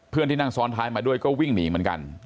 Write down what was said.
เพื่อนที่นั่งซ้อนท้ายมาด้วยก็วิ่งหนีเหมือนกัน